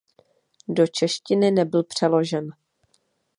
Do češtiny nebyl přeložen.